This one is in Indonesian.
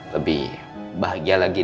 lebih bahagia lagi